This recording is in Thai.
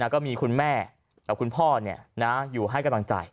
ก็มีคุณแม่กับคุณพ่ออยู่ให้กำลังใจ